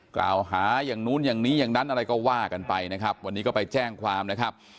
กล่าวหาอย่างนู้นอย่างนี้อย่างนั้นอะไรก็ว่ากันไปนะครับวันนี้ก็ไปแจ้งความนะครับ